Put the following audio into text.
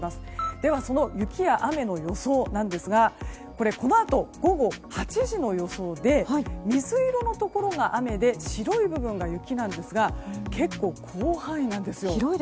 ではその雪や雨の予想なんですがこのあと午後８時の予想で水色のところが雨で白い部分が雪なんですが結構、広範囲なんですよ。